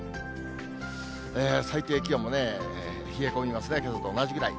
最低気温も、冷え込みますね、けさと同じぐらい。